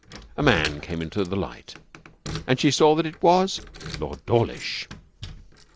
A man came into the light, and she saw that it was Lord Dawlish.